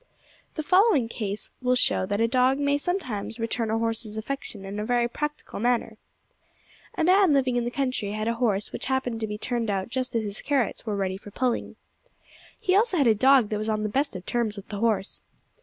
The following case will show that a dog may sometimes return a horse's affection in a very practical manner. A man living in the country had a horse which happened to be turned out just as his carrots were ready for pulling. He also had a dog that was on the best of terms with the horse.